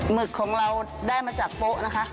หึกของเราได้มาจากโป๊ะนะคะ